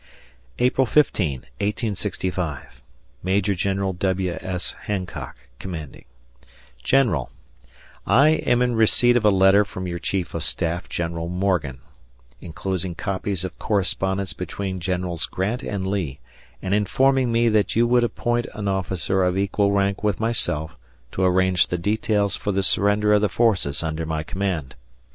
April 15, 1865. Major General W. S. Hancock, Commanding, General: I am in receipt of a letter from your Chief of Staff General Morgan, enclosing copies of correspondence between Generals Grant and Lee, and informing me that you would appoint an officer of equal rank with myself to arrange the details for the surrender of the forces under my command.